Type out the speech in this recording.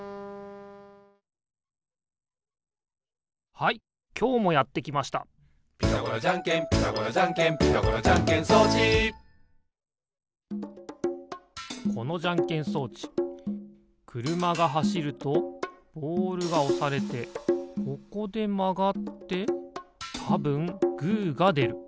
はいきょうもやってきました「ピタゴラじゃんけんピタゴラじゃんけん」「ピタゴラじゃんけん装置」このじゃんけん装置くるまがはしるとボールがおされてここでまがってたぶんグーがでる。